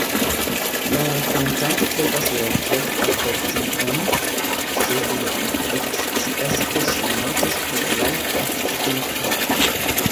La rakontanto provas retrovi Albertine-on, sed li ekscias ke ŝi mortis pro rajd-akcidento.